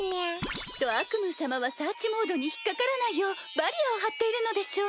きっとアクムー様はサーチモードに引っかからないようバリアーを張っているのでしょう。